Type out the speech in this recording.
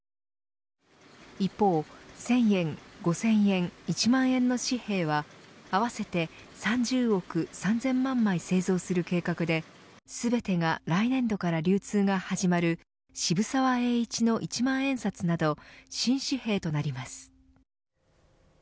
一方、１０００円５０００円、１万円の紙幣は合わせて３０億３０００万枚製造する計画で全てが来年度から流通が始まる渋沢栄一の１万円札など新紙幣となります。